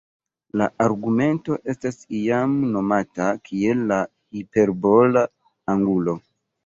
La argumento estas iam nomata kiel la hiperbola angulo.